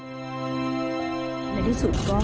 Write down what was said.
สิ่งที่เราต้องเอยในห้วงการเป็นวิทยาลัย